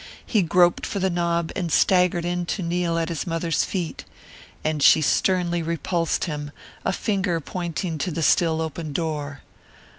He groped for the knob and staggered in to kneel at his mother's feet. And she sternly repulsed him, a finger pointing to the still open door.